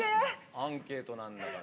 アンケートなんだから。